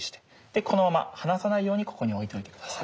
でこのまま離さないようにここに置いておいて下さい。